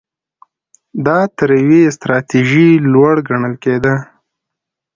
دا تر یوې ستراتیژۍ لوړ ګڼل کېده.